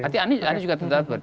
berarti anies juga tetap dapat